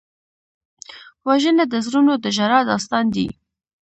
وژنه د زړونو د ژړا داستان دی